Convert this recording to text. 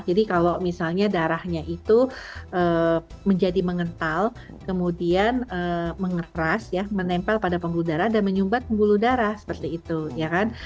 jadi kalau misalnya darahnya itu menjadi mengental kemudian mengeras ya menempel pada pembuluh darah dan menyumbat pembuluh darah seperti itu ya kan